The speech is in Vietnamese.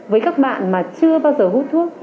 với các bạn mà chưa bao giờ hút thuốc